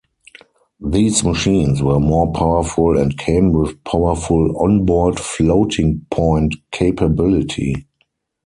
These machines were more powerful and came with powerful on-board floating-point capability.